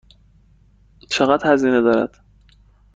چقدر هزینه دارد؟